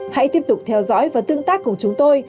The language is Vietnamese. hãy tiếp tục theo dõi và tương tác cùng chúng tôi